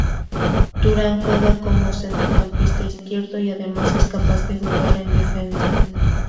Turan juega como centrocampista izquierdo y además es capaz de jugar en defensa.